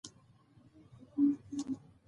زه خپل ځان پاک ساتم.